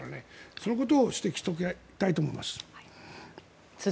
そのことを指摘しておきたいと思います。